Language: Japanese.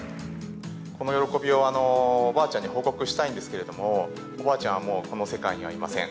この喜びをおばあちゃんに報告したいんですけれども、おばあちゃんはもうこの世界にはいません。